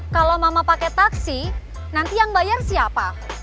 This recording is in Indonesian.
kalau mama pakai taksi nanti yang bayar siapa